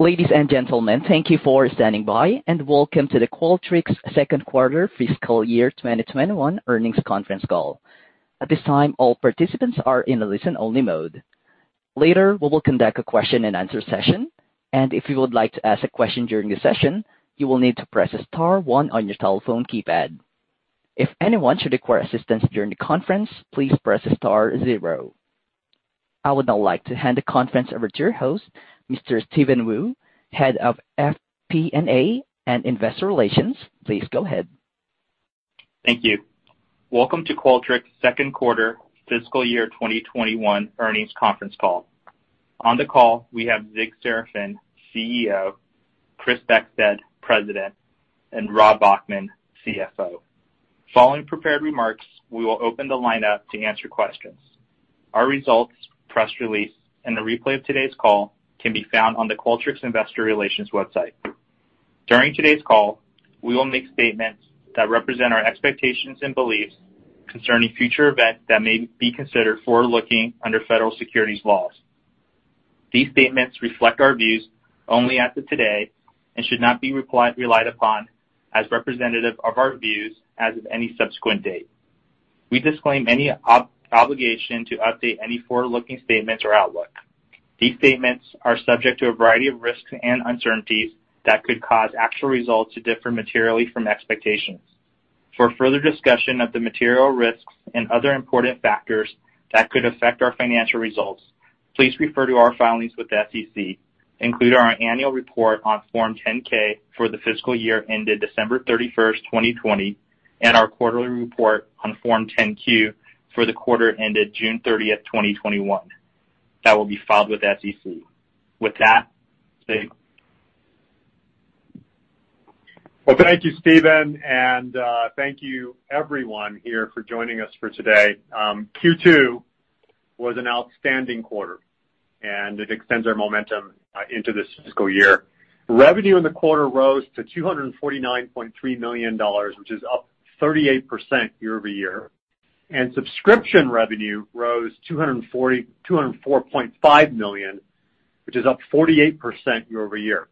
Ladies and gentlemen, thank you for standing by, and welcome to the Qualtrics second quarter fiscal year 2021 earnings conference call. At this time, all participants are in listen-only mode. Later, we will conduct a question and answer session and if you would like to ask a question during this session, you will need to press star one on your telephone keypad. If anyone should require assistance during the conference, please press star zero. I would now like to hand the conference over to your host, Mr. Steven Wu, Head of FP&A and Investor Relations. Please go ahead. Thank you. Welcome to Qualtrics second quarter fiscal year 2021 earnings conference call. On the call, we have Zig Serafin, CEO, Chris Beckstead, President, and Rob Bachman, CFO. Following prepared remarks, we will open the lineup to answer questions. Our results, press release, and the replay of today's call can be found on the Qualtrics Investor Relations website. During today's call, we will make statements that represent our expectations and beliefs concerning future events that may be considered forward-looking under federal securities laws. These statements reflect our views only as of today and should not be relied upon as representative of our views as of any subsequent date. We disclaim any obligation to update any forward-looking statements or outlook. These statements are subject to a variety of risks and uncertainties that could cause actual results to differ materially from expectations. For further discussion of the material risks and other important factors that could affect our financial results, please refer to our filings with the SEC, including our annual report on Form 10-K for the fiscal year ended December 31st, 2020, and our quarterly report on Form 10-Q for the quarter ended June 30th, 2021 that will be filed with the SEC. With that, Zig. Well, thank you, Steven, and thank you everyone here for joining us for today. Q2 was an outstanding quarter, and it extends our momentum into this fiscal year. Revenue in the quarter rose to $249.3 million, which is up 38% year-over-year. Subscription revenue rose $204.5 million, which is up 48% year-over-year.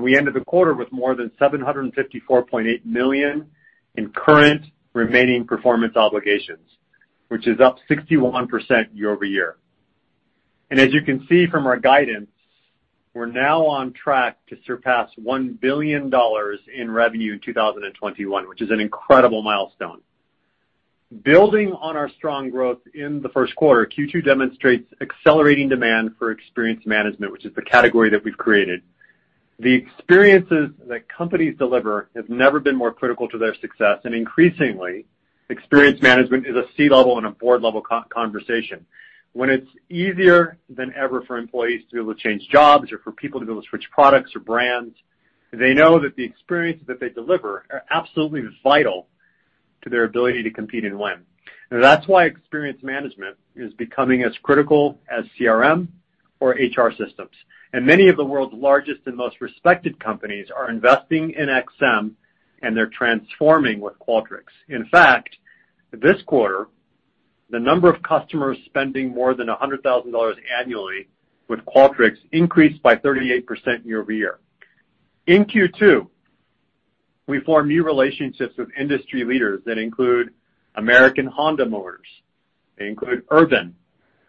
We ended the quarter with more than $754.8 million in current remaining performance obligations, which is up 61% year-over-year. As you can see from our guidance, we're now on track to surpass $1 billion in revenue in 2021, which is an incredible milestone. Building on our strong growth in the first quarter, Q2 demonstrates accelerating demand for experience management, which is the category that we've created. The experiences that companies deliver have never been more critical to their success, and increasingly, experience management is a C-level and a board-level conversation. When it's easier than ever for employees to be able to change jobs or for people to be able to switch products or brands, they know that the experiences that they deliver are absolutely vital to their ability to compete and win. That's why experience management is becoming as critical as CRM or HR systems. Many of the world's largest and most respected companies are investing in XM, and they're transforming with Qualtrics. In fact, this quarter, the number of customers spending more than $100,000 annually with Qualtrics increased by 38% year-over-year. In Q2, we formed new relationships with industry leaders that include American Honda Motors, they include Urban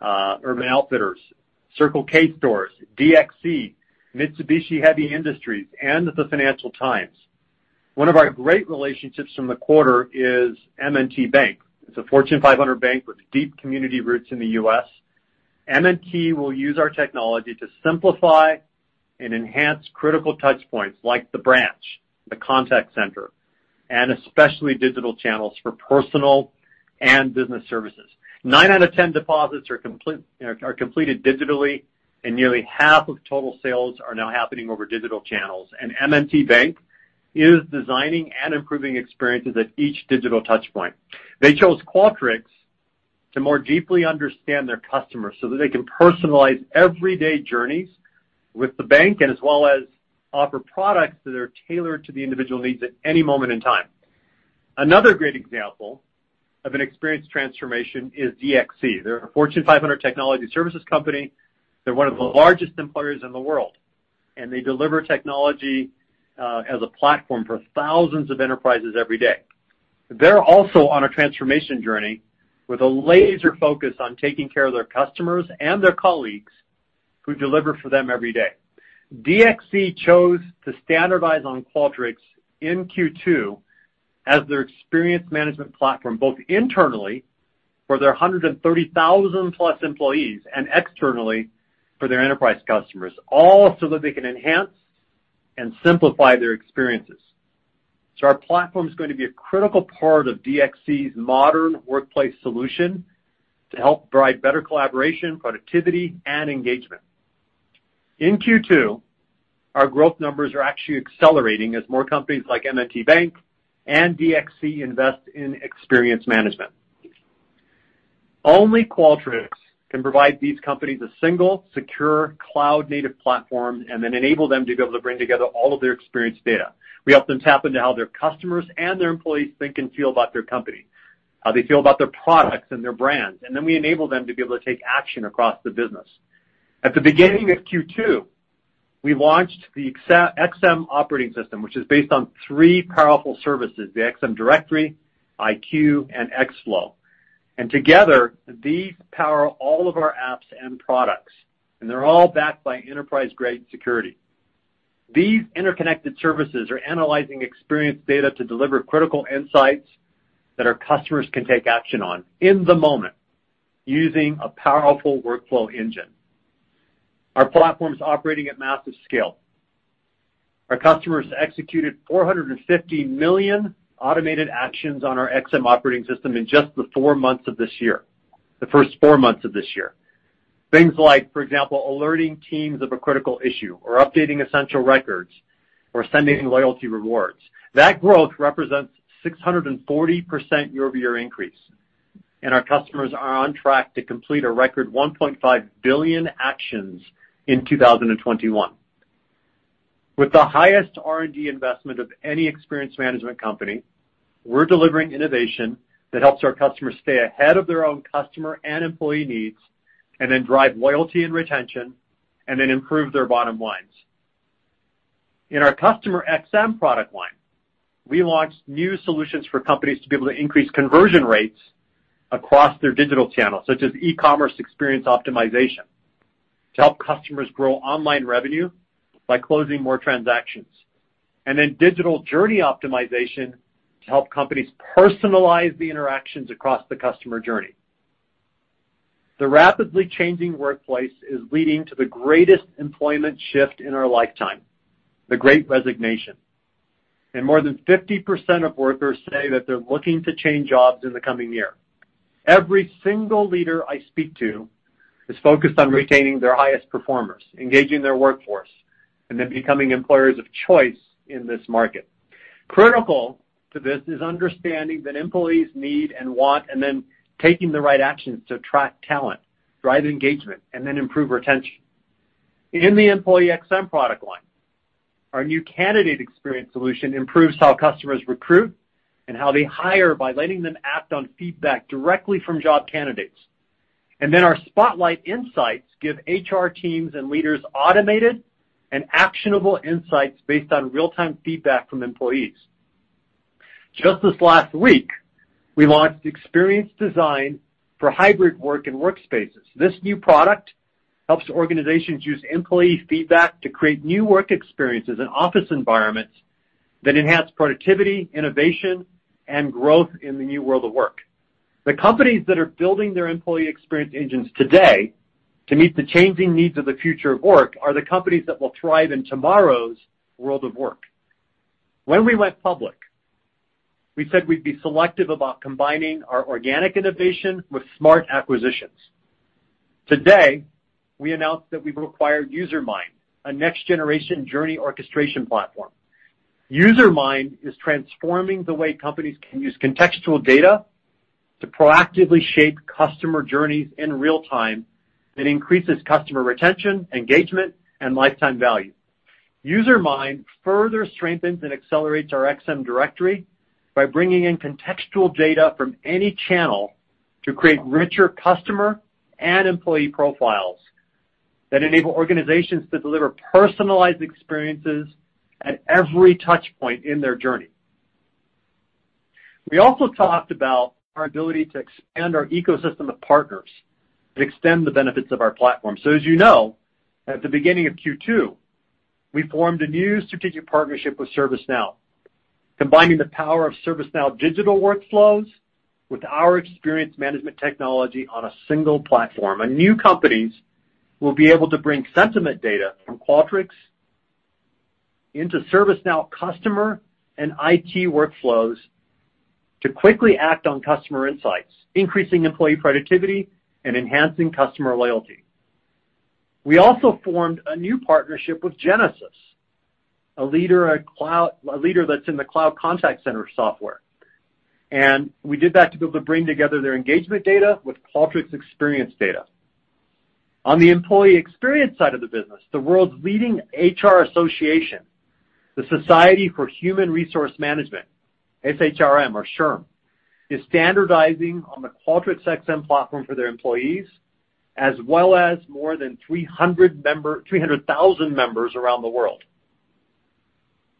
Outfitters, Circle K Stores, DXC, Mitsubishi Heavy Industries, and the Financial Times. One of our great relationships from the quarter is M&T Bank. It's a Fortune 500 bank with deep community roots in the U.S. M&T will use our technology to simplify and enhance critical touch points like the branch, the contact center, and especially digital channels for personal and business services. Nine out of 10 deposits are completed digitally, nearly half of total sales are now happening over digital channels. M&T Bank is designing and improving experiences at each digital touch point. They chose Qualtrics to more deeply understand their customers so that they can personalize everyday journeys with the bank as well as offer products that are tailored to the individual needs at any moment in time. Another great example of an experience transformation is DXC. They're a Fortune 500 technology services company. They're one of the largest employers in the world, and they deliver technology as a platform for thousands of enterprises every day. They're also on a transformation journey with a laser focus on taking care of their customers and their colleagues who deliver for them every day. DXC chose to standardize on Qualtrics in Q2 as their experience management platform, both internally for their 130,000-plus employees and externally for their enterprise customers, all so that they can enhance and simplify their experiences. Our platform's going to be a critical part of DXC's modern workplace solution to help provide better collaboration, productivity, and engagement. In Q2, our growth numbers are actually accelerating as more companies like M&T Bank and DXC invest in experience management. Only Qualtrics can provide these companies a single, secure, cloud-native platform and then enable them to be able to bring together all of their experience data. We help them tap into how their customers and their employees think and feel about their company, how they feel about their products and their brands, and then we enable them to be able to take action across the business. At the beginning of Q2, we launched the XM Operating System, which is based on three powerful services, the XM Directory, iQ, and xFlow. Together, these power all of our apps and products, and they're all backed by enterprise-grade security. These interconnected services are analyzing experience data to deliver critical insights that our customers can take action on in the moment using a powerful workflow engine. Our platform is operating at massive scale. Our customers executed 450 million automated actions on our XM Operating System in just the 4 months of this year, the first 4 months of this year. Things like, for example, alerting teams of a critical issue, or updating essential records, or sending loyalty rewards. That growth represents 640% year-over-year increase, and our customers are on track to complete a record 1.5 billion actions in 2021. With the highest R&D investment of any experience management company, we're delivering innovation that helps our customers stay ahead of their own customer and employee needs, and then drive loyalty and retention, and then improve their bottom lines. In our CustomerXM product line, we launched new solutions for companies to be able to increase conversion rates across their digital channels, such as e-commerce experience optimization, to help customers grow online revenue by closing more transactions, and then digital journey optimization to help companies personalize the interactions across the customer journey. The rapidly changing workplace is leading to the greatest employment shift in our lifetime, the Great Resignation. More than 50% of workers say that they're looking to change jobs in the coming year. Every single leader I speak to is focused on retaining their highest performers, engaging their workforce, and then becoming employers of choice in this market. Critical to this is understanding that employees need and want, and then taking the right actions to attract talent, drive engagement, and then improve retention. In the EmployeeXM product line, our new candidate experience solution improves how customers recruit and how they hire by letting them act on feedback directly from job candidates. Our spotlight insights give HR teams and leaders automated and actionable insights based on real-time feedback from employees. Just this last week, we launched experience design for hybrid work and workspaces. This new product helps organizations use employee feedback to create new work experiences and office environments that enhance productivity, innovation, and growth in the new world of work. The companies that are building their employee experience engines today to meet the changing needs of the future of work are the companies that will thrive in tomorrow's world of work. When we went public, we said we'd be selective about combining our organic innovation with smart acquisitions. Today, we announced that we've acquired Usermind, a next-generation journey orchestration platform. Usermind is transforming the way companies can use contextual data to proactively shape customer journeys in real time that increases customer retention, engagement, and lifetime value. Usermind further strengthens and accelerates our XM Directory by bringing in contextual data from any channel to create richer customer and employee profiles that enable organizations to deliver personalized experiences at every touch point in their journey. We also talked about our ability to expand our ecosystem of partners to extend the benefits of our platform. As you know, at the beginning of Q2, we formed a new strategic partnership with ServiceNow, combining the power of ServiceNow digital workflows with our experience management technology on a single platform. New companies will be able to bring sentiment data from Qualtrics into ServiceNow customer and IT workflows to quickly act on customer insights, increasing employee productivity and enhancing customer loyalty. We also formed a new partnership with Genesys, a leader that's in the cloud contact center software. We did that to be able to bring together their engagement data with Qualtrics experience data. On the employee experience side of the business, the world's leading HR association, the Society for Human Resource Management, S-H-R-M or SHRM, is standardizing on the Qualtrics XM platform for their employees, as well as more than 300,000 members around the world.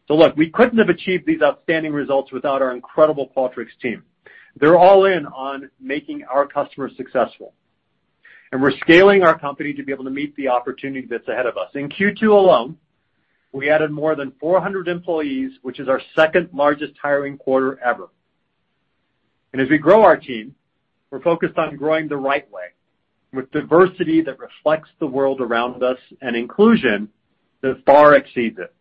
Look, we couldn't have achieved these outstanding results without our incredible Qualtrics team. They're all in on making our customers successful. We're scaling our company to be able to meet the opportunity that's ahead of us. In Q2 alone, we added more than 400 employees, which is our second-largest hiring quarter ever. As we grow our team, we're focused on growing the right way, with diversity that reflects the world around us and inclusion that far exceeds it.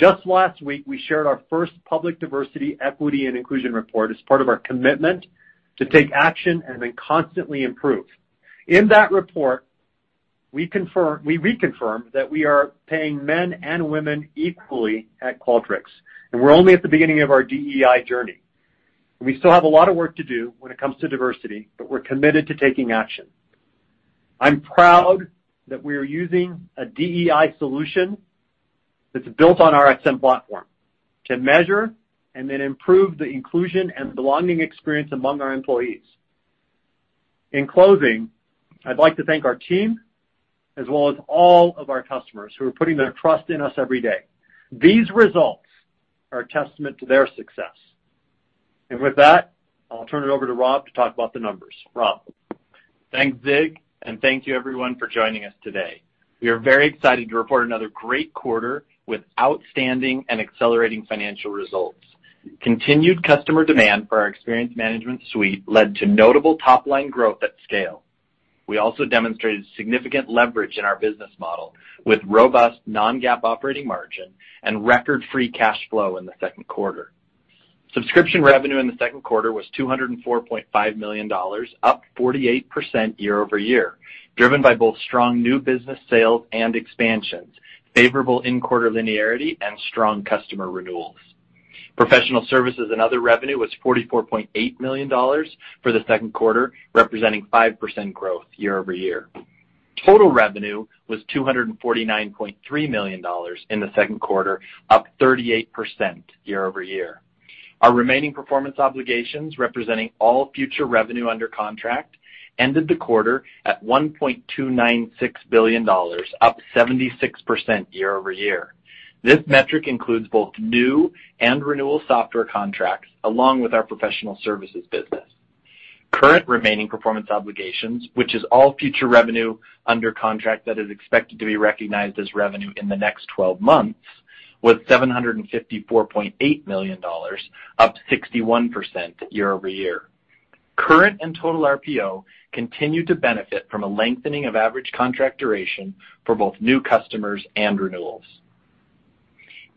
Just last week, we shared our first public diversity, equity, and inclusion report as part of our commitment to take action, and then constantly improve. In that report, we reconfirmed that we are paying men and women equally at Qualtrics. We're only at the beginning of our DEI journey. We still have a lot of work to do when it comes to diversity, but we're committed to taking action. I'm proud that we are using a DEI solution that's built on our XM platform to measure and then improve the inclusion and belonging experience among our employees. In closing, I'd like to thank our team as well as all of our customers who are putting their trust in us every day. These results are a testament to their success. With that, I'll turn it over to Rob to talk about the numbers. Rob? Thanks, Zig. Thank you, everyone, for joining us today. We are very excited to report another great quarter with outstanding and accelerating financial results. Continued customer demand for our experience management suite led to notable top-line growth at scale. We also demonstrated significant leverage in our business model, with robust non-GAAP operating margin and record free cash flow in the second quarter. Subscription revenue in the second quarter was $204.5 million, up 48% year-over-year, driven by both strong new business sales and expansions, favorable in-quarter linearity, and strong customer renewals. Professional services and other revenue was $44.8 million for the second quarter, representing 5% growth year-over-year. Total revenue was $249.3 million in the second quarter, up 38% year-over-year. Our remaining performance obligations, representing all future revenue under contract, ended the quarter at $1.296 billion, up 76% year-over-year. This metric includes both new and renewal software contracts, along with our professional services business. Current remaining performance obligations, which is all future revenue under contract that is expected to be recognized as revenue in the next 12 months, was $754.8 million, up 61% year-over-year. Current and total RPO continue to benefit from a lengthening of average contract duration for both new customers and renewals.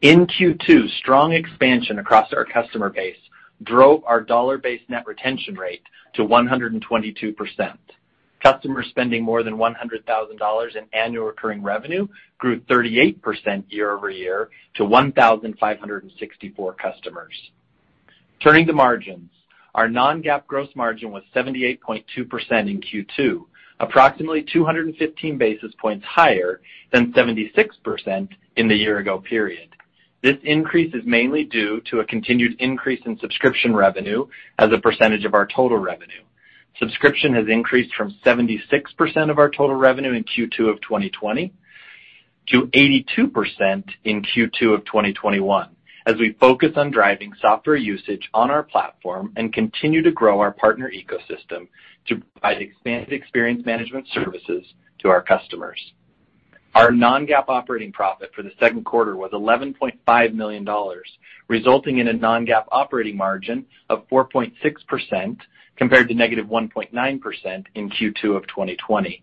In Q2, strong expansion across our customer base drove our dollar-based net retention rate to 122%. Customer spending more than $100,000 in annual recurring revenue grew 38% year-over-year to 1,564 customers. Turning to margins, our non-GAAP gross margin was 78.2% in Q2, approximately 215 basis points higher than 76% in the year ago period. This increase is mainly due to a continued increase in subscription revenue as a percentage of our total revenue. Subscription has increased from 76% of our total revenue in Q2 of 2020 to 82% in Q2 of 2021, as we focus on driving software usage on our platform and continue to grow our partner ecosystem to provide experience management services to our customers. Our non-GAAP operating profit for the second quarter was $11.5 million, resulting in a non-GAAP operating margin of 4.6%, compared to -1.9% in Q2 of 2020.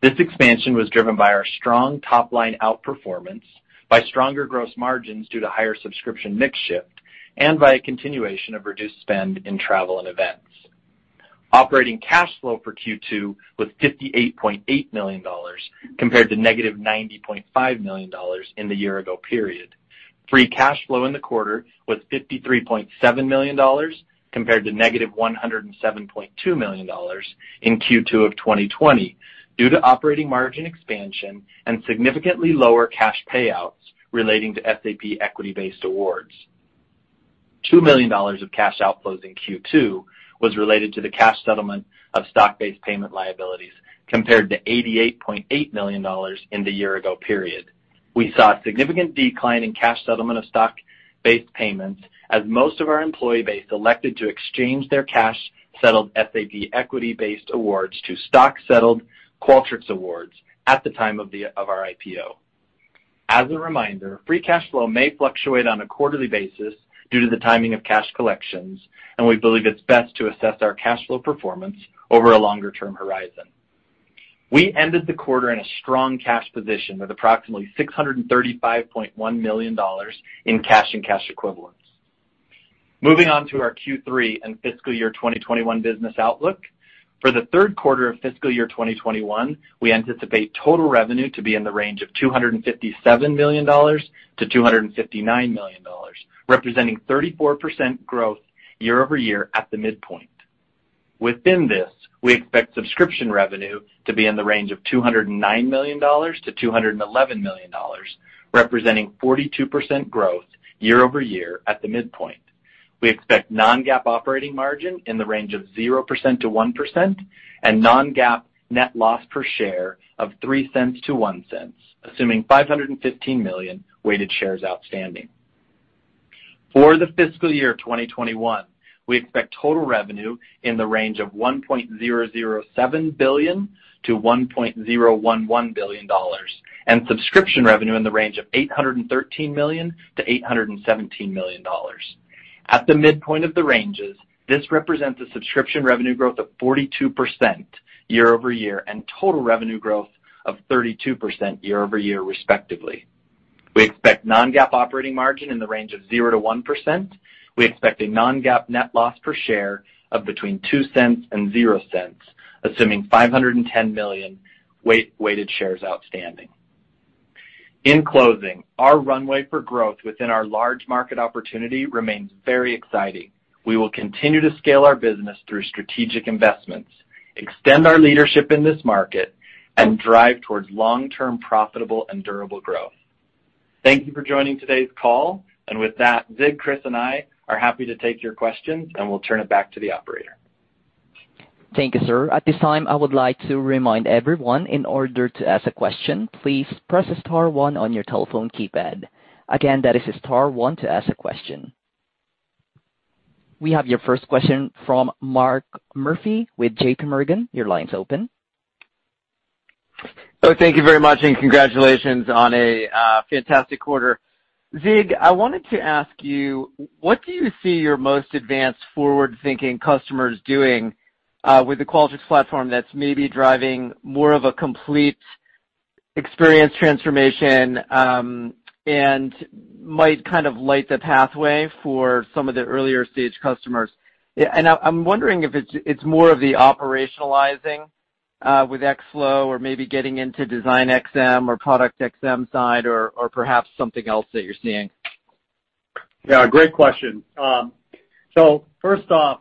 This expansion was driven by our strong top-line outperformance, by stronger gross margins due to higher subscription mix shift, and by a continuation of reduced spend in travel and events. Operating cash flow for Q2 was $58.8 million, compared to negative $90.5 million in the year ago period. Free cash flow in the quarter was $53.7 million, compared to negative $107.2 million in Q2 of 2020 due to operating margin expansion and significantly lower cash payouts relating to SAP equity-based awards. $2 million of cash outflows in Q2 was related to the cash settlement of stock-based payment liabilities, compared to $88.8 million in the year ago period. We saw a significant decline in cash settlement of stock-based payments as most of our employee base elected to exchange their cash-settled SAP equity-based awards to stock-settled Qualtrics awards at the time of our IPO. As a reminder, free cash flow may fluctuate on a quarterly basis due to the timing of cash collections, and we believe it's best to assess our cash flow performance over a longer-term horizon. We ended the quarter in a strong cash position with approximately $635.1 million in cash and cash equivalents. Moving on to our Q3 and fiscal year 2021 business outlook. For the third quarter of fiscal year 2021, we anticipate total revenue to be in the range of $257 million-$259 million, representing 34% growth year-over-year at the midpoint. Within this, we expect subscription revenue to be in the range of $209 million-$211 million, representing 42% growth year-over-year at the midpoint. We expect non-GAAP operating margin in the range of 0%-1% and non-GAAP net loss per share of $0.03 to $0.01, assuming 515 million weighted shares outstanding. For the fiscal year 2021, we expect total revenue in the range of $1.007 billion-$1.011 billion, and subscription revenue in the range of $813 million-$817 million. At the midpoint of the ranges, this represents a subscription revenue growth of 42% year-over-year and total revenue growth of 32% year-over-year, respectively. We expect non-GAAP operating margin in the range of zero to 1%. We expect a non-GAAP net loss per share of between $0.02 and $0.00, assuming 510 million weighted shares outstanding. In closing, our runway for growth within our large market opportunity remains very exciting. We will continue to scale our business through strategic investments, extend our leadership in this market, and drive towards long-term profitable and durable growth. Thank you for joining today's call. With that, Zig, Chris, and I are happy to take your questions, and we'll turn it back to the operator. Thank you, sir. At this time, I would like to remind everyone, in order to ask a question, please press star one on your telephone keypad. Again, that is star one to ask a question. We have your first question from Mark Murphy with JPMorgan. Your line's open. Oh, thank you very much, and congratulations on a fantastic quarter. Zig, I wanted to ask you, what do you see your most advanced forward-thinking customers doing with the Qualtrics platform that's maybe driving more of a complete experience transformation, and might kind of light the pathway for some of the earlier stage customers? I'm wondering if it's more of the operationalizing, with xFlow or maybe getting into DesignXM or ProductXM side or perhaps something else that you're seeing. Yeah, great question. First off,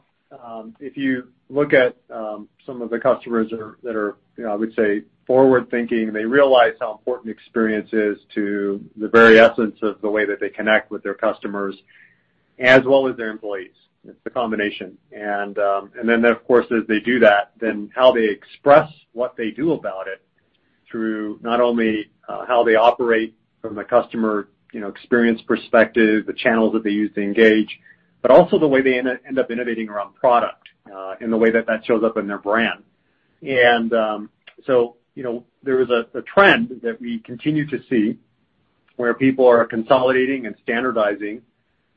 if you look at some of the customers that are, I would say, forward-thinking, they realize how important experience is to the very essence of the way that they connect with their customers as well as their employees. It's the combination. Of course, as they do that, then how they express, what they do about it through not only how they operate from the customer experience perspective, the channels that they use to engage, but also the way they end up innovating around product, and the way that that shows up in their brand. There is a trend that we continue to see where people are consolidating and standardizing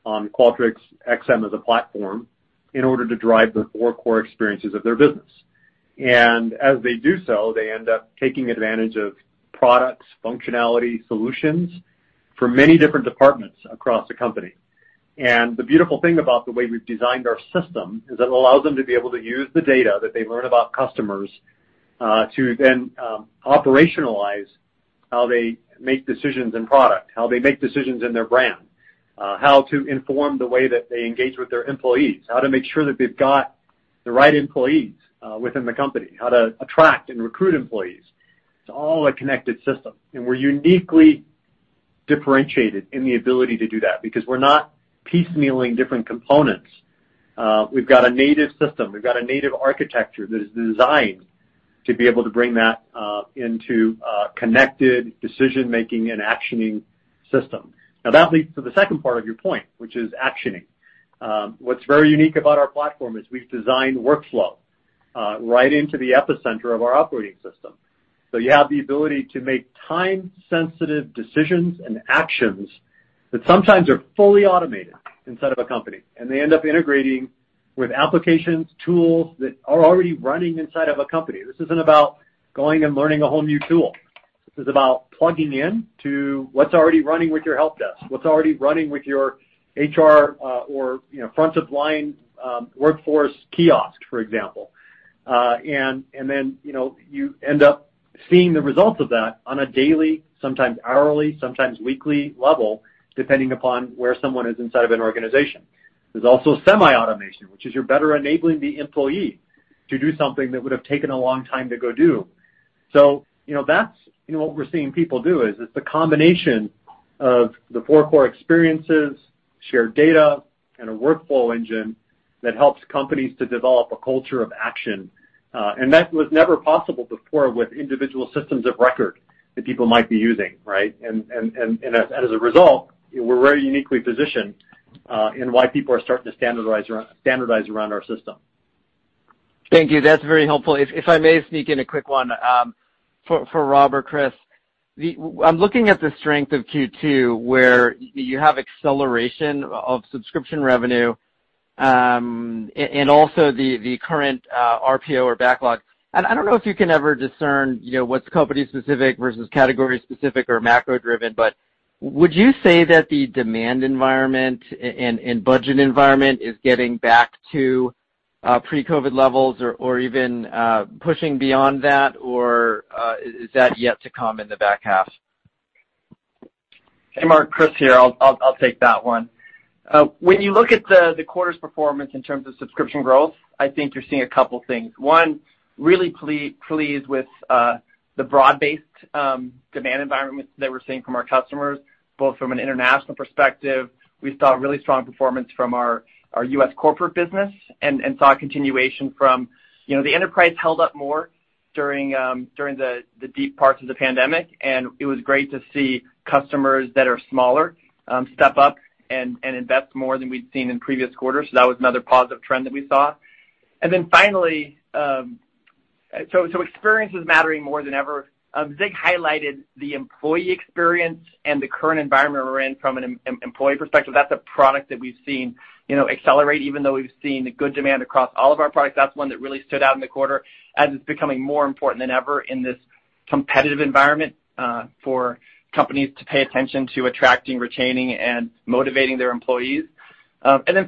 on Qualtrics XM as a platform in order to drive the four core experiences of their business. As they do so, they end up taking advantage of products, functionality, solutions for many different departments across the company. The beautiful thing about the way we've designed our system is it allows them to be able to use the data that they learn about customers, to then operationalize how they make decisions in product, how they make decisions in their brand, how to inform the way that they engage with their employees, how to make sure that they've got the right employees within the company, how to attract and recruit employees. It's all a connected system, and we're uniquely differentiated in the ability to do that because we're not piecemealing different components. We've got a native system, we've got a native architecture that is designed to be able to bring that into a connected decision-making and actioning system. That leads to the second part of your point, which is actioning. What's very unique about our platform is we've designed workflow right into the epicenter of our operating system. You have the ability to make time-sensitive decisions and actions that sometimes are fully automated inside of a company, and they end up integrating with applications, tools that are already running inside of a company. This isn't about going and learning a whole new tool. This is about plugging into what's already running with your help desk, what's already running with your HR, or front of line, workforce kiosk, for example. Then, you end up seeing the results of that on a daily, sometimes hourly, sometimes weekly level, depending upon where someone is inside of an organization. There's also semi-automation, which is you're better enabling the employee to do something that would have taken a long time to go do. That's what we're seeing people do, is it's the combination of the four core experiences, shared data, and a workflow engine that helps companies to develop a culture of action. That was never possible before with individual systems of record that people might be using, right? As a result, we're very uniquely positioned in why people are starting to standardize around our system. Thank you. That's very helpful. If I may sneak in a quick one for Rob Bachman or Chris Beckstead. I'm looking at the strength of Q2, where you have acceleration of subscription revenue, and also the current RPO or backlog. I don't know if you can ever discern what's company specific versus category specific or macro driven, but would you say that the demand environment and budget environment is getting back to pre-COVID levels or even pushing beyond that? Or is that yet to come in the back half? Hey, Mark, Chris here. I'll take that one. When you look at the quarter's performance in terms of subscription growth, I think you're seeing a couple things. One, really pleased with the broad-based demand environment that we're seeing from our customers, both from an international perspective. We saw really strong performance from our U.S. corporate business and saw continuation from -- the enterprise held up more during the deep parts of the pandemic, and it was great to see customers that are smaller, step up and invest more than we'd seen in previous quarters. That was another positive trend that we saw. Finally, experience is mattering more than ever. Zig highlighted the employee experience and the current environment we're in from an employee perspective. That's a product that we've seen accelerate, even though we've seen good demand across all of our products. That's one that really stood out in the quarter as it's becoming more important than ever in this competitive environment, for companies to pay attention to attracting, retaining, and motivating their employees.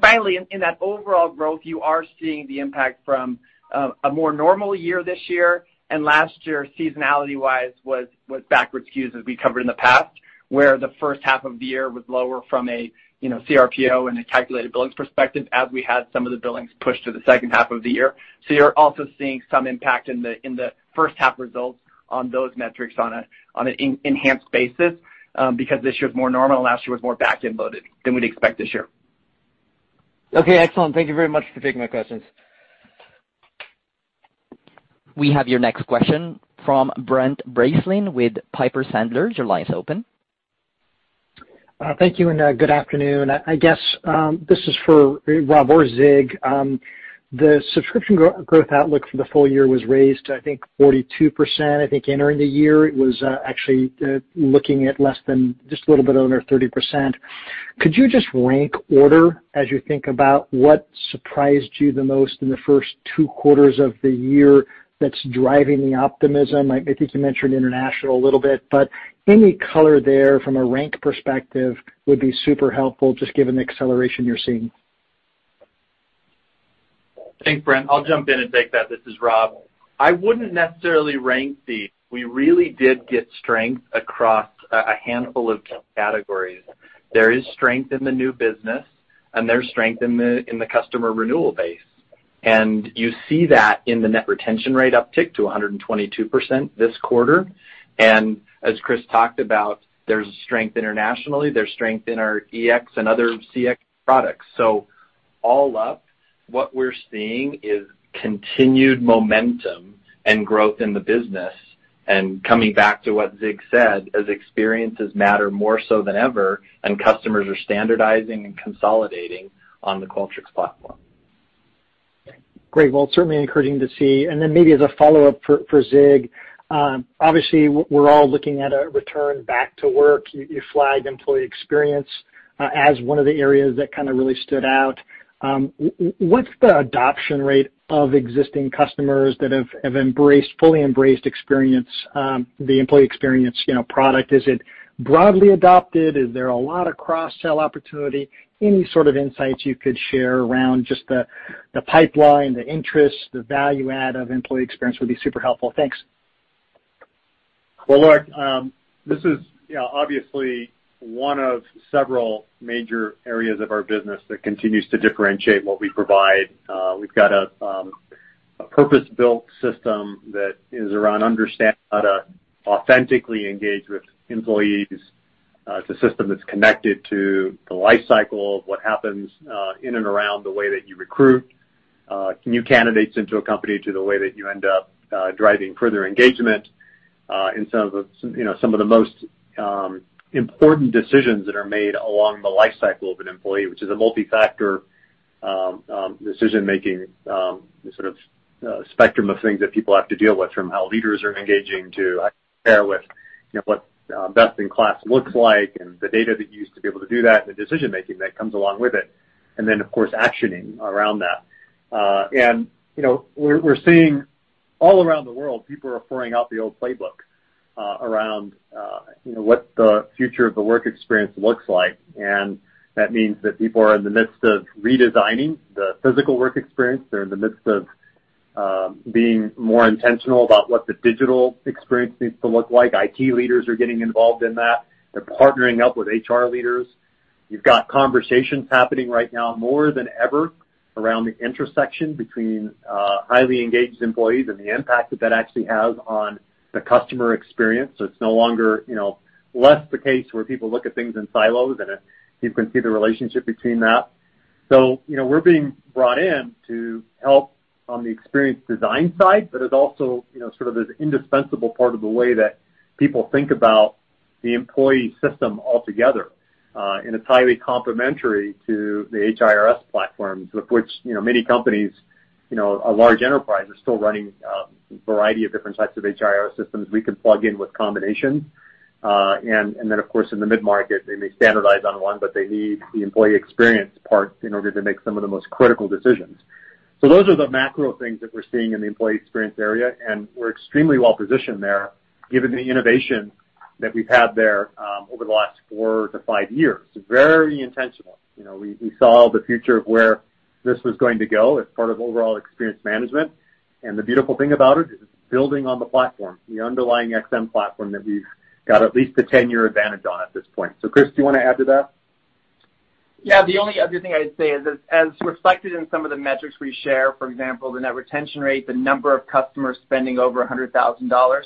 Finally, in that overall growth, you are seeing the impact from a more normal year this year and last year, seasonality-wise, was backwards skewed as we covered in the past, where the first half of the year was lower from a CRPO and a calculated billings perspective as we had some of the billings pushed to the second half of the year. You're also seeing some impact in the first half results on those metrics on an enhanced basis, because this year's more normal and last year was more back-end loaded than we'd expect this year. Okay, excellent. Thank you very much for taking my questions. We have your next question from Brent Bracelin with Piper Sandler. Your line is open. Thank you, and good afternoon. I guess this is for Rob or Zig. The subscription growth outlook for the full year was raised to, I think, 42%. I think entering the year, it was actually looking at less than just a little bit under 30%. Could you just rank order as you think about what surprised you the most in the first two quarters of the year that's driving the optimism? I think you mentioned international a little bit, but any color there from a rank perspective would be super helpful, just given the acceleration you're seeing. Thanks, Brent. I'll jump in and take that. This is Rob. I wouldn't necessarily rank these. We really did get strength across a handful of categories. There is strength in the new business, and there's strength in the customer renewal base. You see that in the net retention rate uptick to 122% this quarter. As Chris talked about, there's strength internationally. There's strength in our EX and other CX products. All up, what we're seeing is continued momentum and growth in the business, and coming back to what Zig said, as experiences matter more so than ever, and customers are standardizing and consolidating on the Qualtrics platform. Great. Well, it's certainly encouraging to see. Then, maybe as a follow-up for Zig Serafin, obviously we're all looking at a return back to work. You flagged EmployeeXM as one of the areas that really stood out. What's the adoption rate of existing customers that have fully embraced the EmployeeXM product? Is it broadly adopted? Is there a lot of cross-sell opportunity? Any sort of insights you could share around just the pipeline, the interest, the value add of EmployeeXM would be super helpful. Thanks. Well, look, this is obviously one of several major areas of our business that continues to differentiate what we provide. We've got a purpose-built system that is around understanding how to authentically engage with employees. It's a system that's connected to the life cycle of what happens in and around the way that you recruit new candidates into a company to the way that you end up driving further engagement in some of the most important decisions that are made along the life cycle of an employee, which is a multi-factor decision-making spectrum of things that people have to deal with, from how leaders are engaging to, how they compare with what best in class looks like and the data that you use to be able to do that and the decision-making that comes along with it. Of course, actioning around that. We're seeing all around the world, people are throwing out the old playbook around what the future of the work experience looks like. That means that people are in the midst of redesigning the physical work experience. They're in the midst of being more intentional about what the digital experience needs to look like. IT leaders are getting involved in that. They're partnering up with HR leaders. You've got conversations happening right now more than ever around the intersection between highly engaged employees and the impact that that actually has on the customer experience. It's no longer, you know, less the case where people look at things in silos, and you can see the relationship between that. We're being brought in to help on the experience design side, but as also sort of this indispensable part of the way that people think about the employee system altogether. It's highly complementary to the HRIS platforms, of which many companies, a large enterprise, are still running a variety of different types of HRIS systems. We can plug in with combinations. Of course, in the mid-market, they may standardize on one, but they need the employee experience part in order to make some of the most critical decisions. Those are the macro things that we're seeing in the employee experience area, and we're extremely well-positioned there given the innovation that we've had there over the last four to five years. Very intentional. We saw the future of where this was going to go as part of overall experience management. The beautiful thing about it is it's building on the platform, the underlying XM platform that we've got at least a 10-year advantage on at this point. Chris, do you want to add to that? Yeah, the only other thing I'd say is, as reflected in some of the metrics we share, for example, the net retention rate, the number of customers spending over $100,000,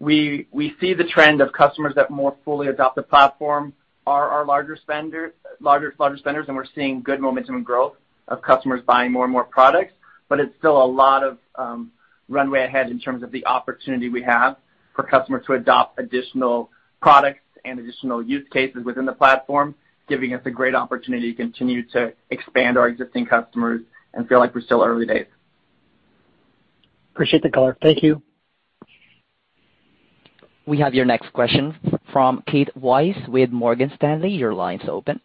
we see the trend of customers that more fully adopt the platform are our larger spenders, and we're seeing good momentum and growth of customers buying more and more products, but it's still a lot of runway ahead in terms of the opportunity we have for customers to adopt additional products and additional use cases within the platform, giving us a great opportunity to continue to expand our existing customers and feel like we're still early days. Appreciate the color. Thank you. We have your next question from Keith Weiss with Morgan Stanley. Your line's open.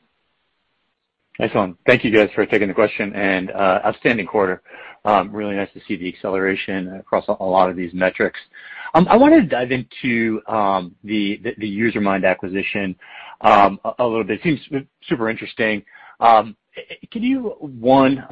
Excellent. Thank you guys for taking the question, and outstanding quarter. Really nice to see the acceleration across a lot of these metrics. I wanted to dive into the Usermind acquisition a little bit. Seems super interesting. Can you, one,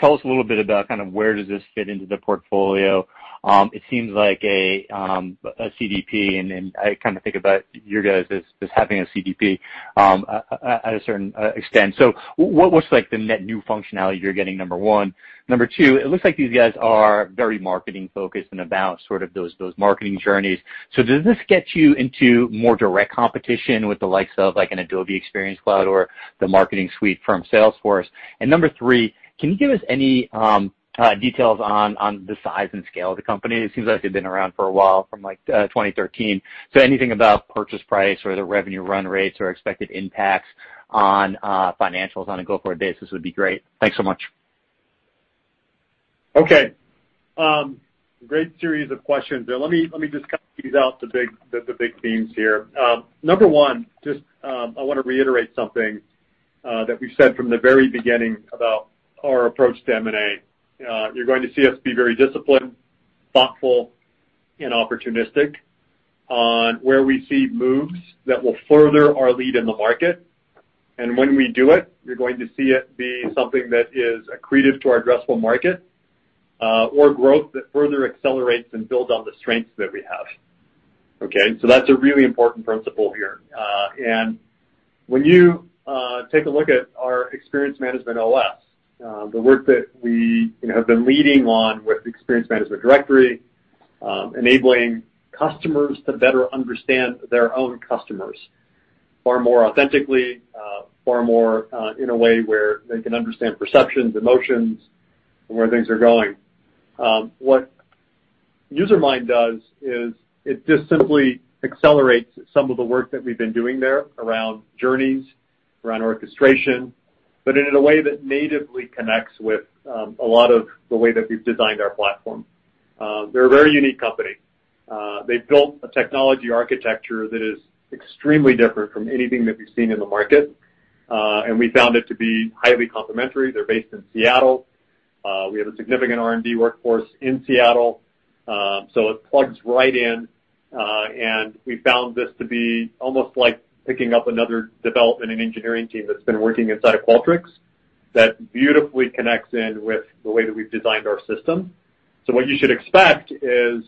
tell us a little bit about kind of where does this fit into the portfolio? It seems like a CDP, and I think about you guys as having a CDP at a certain extent. What's like the net new functionality you're getting, number one? Number two, it looks like you guys are very marketing-focused and about sort of those marketing journeys. Does this get you into more direct competition with the likes of an Adobe Experience Cloud or the marketing suite from Salesforce? Number three, can you give us any details on the size and scale of the company? It seems like they've been around for a while, from 2013. Anything about purchase price or the revenue run rates or expected impacts on financials on a go-forward basis would be great. Thanks so much. Okay. Great series of questions there. Let me just cut these out to the big themes here. Number one, just I want to reiterate something that we've said from the very beginning about our approach to M&A. You're going to see us be very disciplined, thoughtful, and opportunistic on where we see moves that will further our lead in the market. When we do it, you're going to see it be something that is accretive to our addressable market, or growth that further accelerates and builds on the strengths that we have. Okay? That's a really important principle here. When you take a look at our Experience Management OS, the work that we have been leading on with Experience Management Directory, enabling customers to better understand their own customers far more authentically, far more in a way where they can understand perceptions, emotions, and where things are going. What Usermind does is it just simply accelerates some of the work that we've been doing there around journeys, around orchestration, but in a way that natively connects with a lot of the way that we've designed our platform. They're a very unique company. They've built a technology architecture that is extremely different from anything that we've seen in the market. We found it to be highly complementary. They're based in Seattle. We have a significant R&D workforce in Seattle. It plugs right in, and we found this to be almost like picking up another development and engineering team that's been working inside of Qualtrics that beautifully connects in with the way that we've designed our system. What you should expect is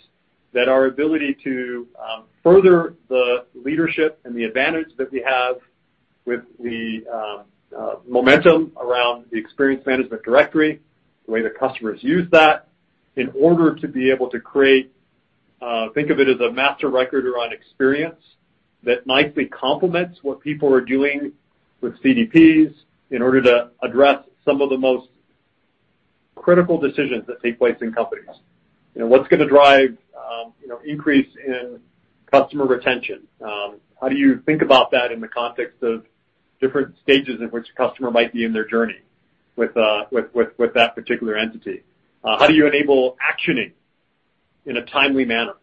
that our ability to further the leadership and the advantage that we have with the momentum around the Experience Management Directory, the way the customers use that, in order to be able to create, think of it as a master record around experience that nicely complements what people are doing with CDPs in order to address some of the most critical decisions that take place in companies. What is going to drive increase in customer retention? How do you think about that in the context of different stages in which a customer might be in their journey with that particular entity? How do you enable actioning in a timely manner?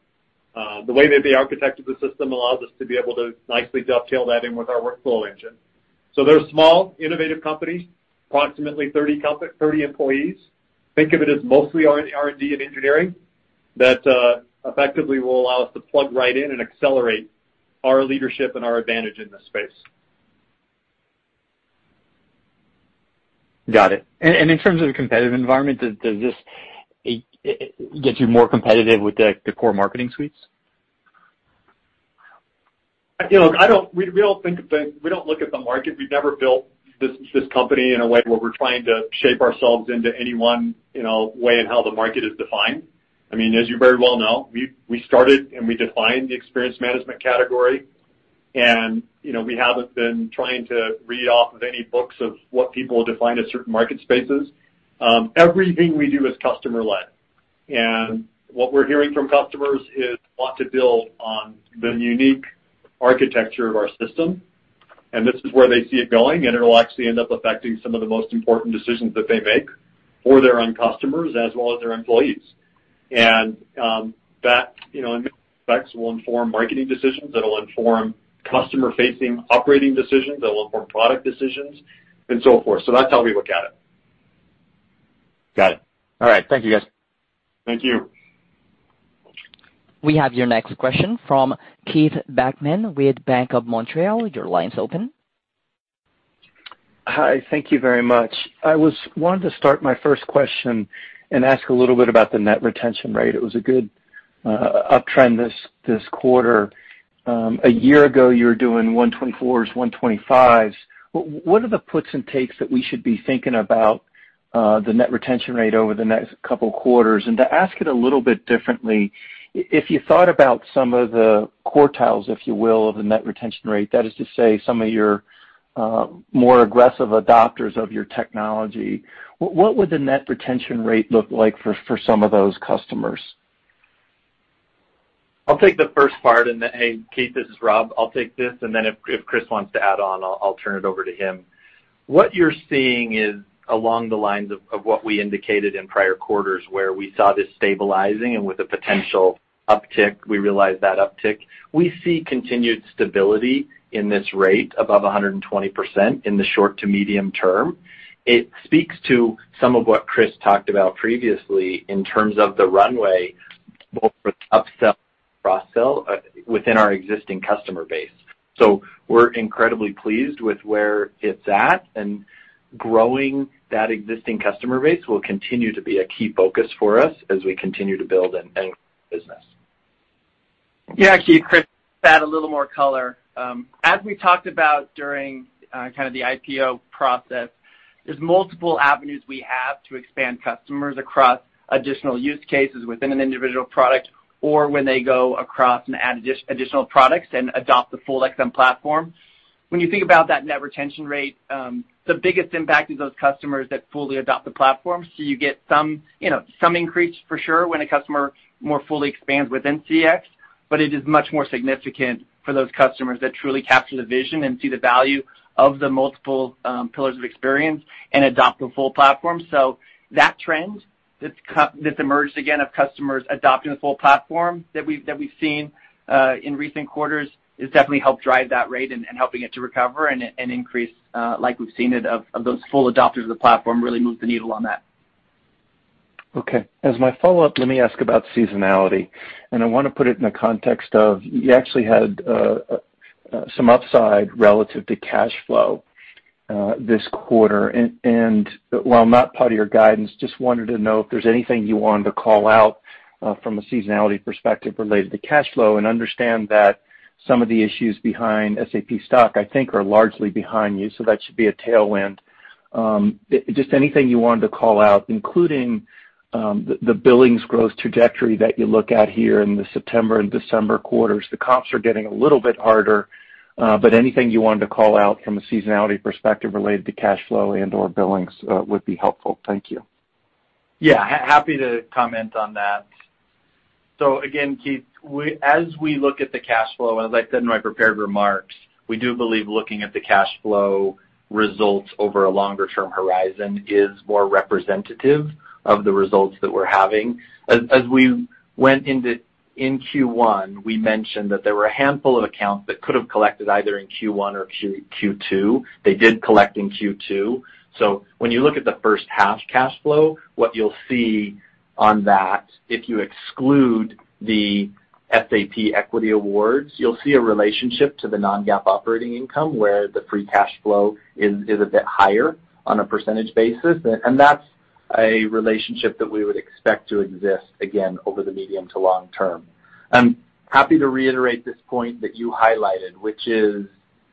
The way that they architected the system allows us to be able to nicely dovetail that in with our workflow engine. They are a small, innovative company, approximately 30 employees. Think of it as mostly R&D and engineering that effectively will allow us to plug right in and accelerate our leadership and our advantage in this space. Got it. In terms of the competitive environment, does this get you more competitive with the core marketing suites? We don't look at the market. We've never built this company in a way where we're trying to shape ourselves into any one way in how the market is defined. As you very well know, we started and we defined the experience management category, and we haven't been trying to read off of any books of what people have defined as certain market spaces. Everything we do is customer-led, and what we're hearing from customers is they want to build on the unique architecture of our system, and this is where they see it going, and it'll actually end up affecting some of the most important decisions that they make for their own customers as well as their employees. That, in many effect, will inform marketing decisions, that will inform customer-facing operating decisions, that will inform product decisions, and so forth. That's how we look at it. Got it. All right. Thank you, guys. Thank you. We have your next question from Keith Bachman with Bank of Montreal. Your line's open. Hi. Thank you very much. I wanted to start my first question and ask a little bit about the net retention rate. It was a good uptrend this quarter. A year ago, you were doing 124s, 125s. What are the puts and takes that we should be thinking about the net retention rate over the next couple quarters? To ask it a little bit differently, if you thought about some of the quartiles, if you will, of the net retention rate, that is to say, some of your more aggressive adopters of your technology, what would the net retention rate look like for some of those customers? I'll take the first part. Hey, Keith, this is Rob. I'll take this, and then if Chris wants to add on, I'll turn it over to him. What you're seeing is along the lines of what we indicated in prior quarters, where we saw this stabilizing and with a potential uptick, we realized that uptick. We see continued stability in this rate above 120% in the short to medium term. It speaks to some of what Chris talked about previously in terms of the runway both with upsell and cross-sell within our existing customer base. We're incredibly pleased with where it's at, and growing that existing customer base will continue to be a key focus for us as we continue to build and [grow] the business. Yeah, Keith, Chris, to add a little more color. As we talked about during kind of the IPO process, there's multiple avenues we have to expand customers across additional use cases within an individual product or when they go across and add additional products and adopt the full XM platform. When you think about that net retention rate, the biggest impact is those customers that fully adopt the platform. You get some increase for sure when a customer more fully expands within CX, but it is much more significant for those customers that truly capture the vision and see the value of the multiple pillars of experience and adopt the full platform. That trend that's emerged again of customers adopting the full platform that we've seen in recent quarters, has definitely helped drive that rate and helping it to recover and increase like we've seen it of those full adopters of the platform really move the needle on that. Okay. As my follow-up, let me ask about seasonality, and I want to put it in the context of, you actually had some upside relative to cash flow this quarter. While not part of your guidance, just wanted to know if there's anything you wanted to call out from a seasonality perspective related to cash flow, and understand that some of the issues behind SAP stock, I think, are largely behind you, so that should be a tailwind. Just anything you wanted to call out, including the billings growth trajectory that you look at here in the September and December quarters. The comps are getting a little bit harder, but anything you wanted to call out from a seasonality perspective related to cash flow and/or billings would be helpful. Thank you. Yeah. Happy to comment on that. Again, Keith, as we look at the cash flow, as I said in my prepared remarks, we do believe looking at the cash flow results over a longer term horizon is more representative of the results that we're having. As we went into -- in Q1, we mentioned that there were a handful of accounts that could have collected either in Q1 or Q2. They did collect in Q2. When you look at the first half cash flow, what you'll see on that, if you exclude the SAP equity awards, you'll see a relationship to the non-GAAP operating income, where the free cash flow is a bit higher on a percentage basis, and that's a relationship that we would expect to exist again over the medium to long term. I'm happy to reiterate this point that you highlighted, which is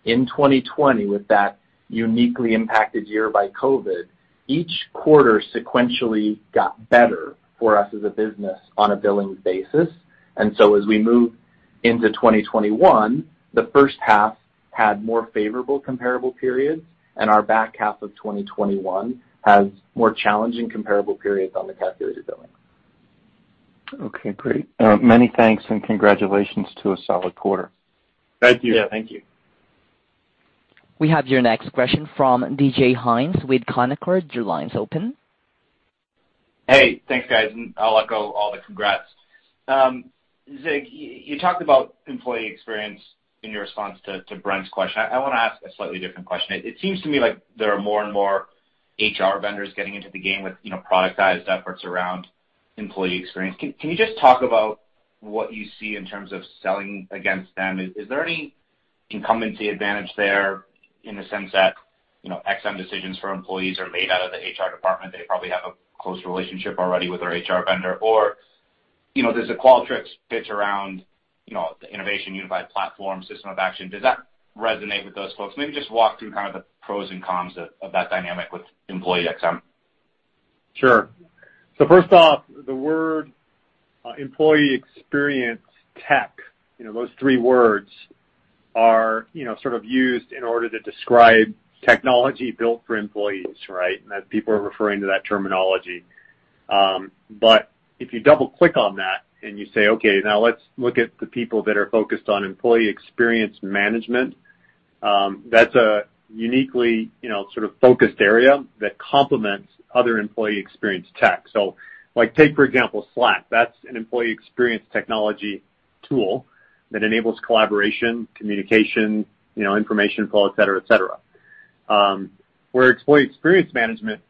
in 2020, with that uniquely impacted year by COVID, each quarter sequentially got better for us as a business on a billings basis. As we move into 2021, the first half had more favorable comparable periods, and our back half of 2021 has more challenging comparable periods on the calculated billings. Okay, great. Many thanks. Congratulations to a solid quarter. Thank you. Yeah. Thank you. We have your next question from DJ Hynes with Canaccord. Your line's open. Hey. Thanks, guys. I'll echo all the congrats. Zig, you talked about employee experience in your response to Brent's question. I want to ask a slightly different question. It seems to me like there are more and more HR vendors getting into the game with productized efforts around employee experience. Can you just talk about what you see in terms of selling against them? Is there any incumbency advantage there in the sense that, you know, XM decisions for employees are made out of the HR department, they probably have a close relationship already with their HR vendor, or does the Qualtrics fit around the innovation unified platform system of action, does that resonate with those folks? Maybe just walk through kind of the pros and cons of that dynamic with EmployeeXM. Sure. First off, the word employee experience tech, those three words are sort of used in order to describe technology built for employees, right? People are referring to that terminology. If you double-click on that and you say, "Okay, now let's look at the people that are focused on employee experience management," that's a uniquely sort of focused area that complements other employee experience tech. Take, for example, Slack. That's an employee experience technology tool that enables collaboration, communication, information flow, et cetera. Where employee experience management,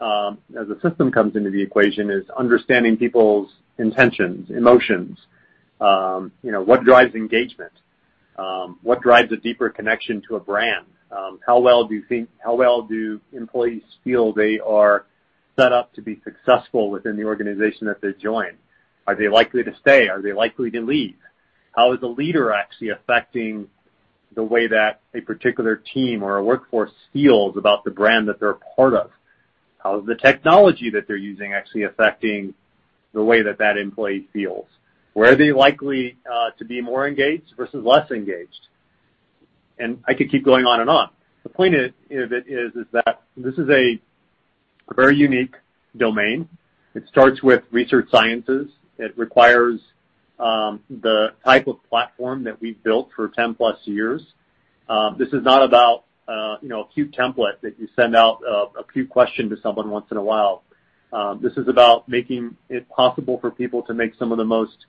as a system, comes into the equation is understanding people's intentions, emotions. What drives engagement? What drives a deeper connection to a brand? How well do employees feel they are set up to be successful within the organization that they join? Are they likely to stay? Are they likely to leave? How is a leader actually affecting the way that a particular team or a workforce feels about the brand that they're a part of? How is the technology that they're using actually affecting the way that that employee feels? Where are they likely to be more engaged versus less engaged? I could keep going on and on. The point of it is that this is a very unique domain. It starts with research sciences. It requires the type of platform that we've built for 10-plus years. This is not about a cute template that you send out a few questions to someone once in a while. This is about making it possible for people to make some of the most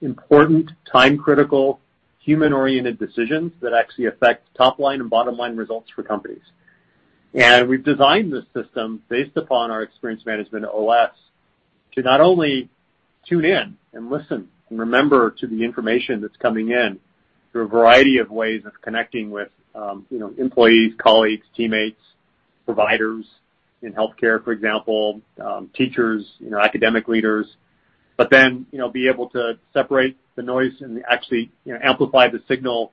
important time-critical human-oriented decisions that actually affect top-line and bottom-line results for companies. We've designed this system based upon our XM/OS, to not only tune in and listen and remember to the information that's coming in through a variety of ways of connecting with employees, colleagues, teammates, providers in healthcare, for example, teachers, academic leaders, but then be able to separate the noise and actually amplify the signal